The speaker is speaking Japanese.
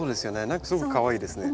何かすごくかわいいですね。